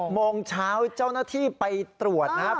โมงเช้าเจ้าหน้าที่ไปตรวจนะครับ